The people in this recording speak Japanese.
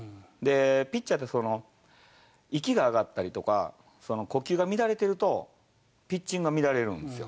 ピッチャーって、その息が上がったりとか、呼吸が乱れてると、ピッチングが乱れるんですよ。